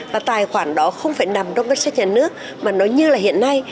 và tài khoản đó không phải nằm trong ngân sách nhà nước mà nó như là hiện nay